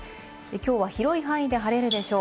きょうは広い範囲で晴れるでしょう。